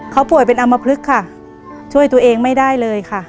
เขาป่วยเป็นอำมพลึกค่ะช่วยตัวเองไม่ได้เลยค่ะ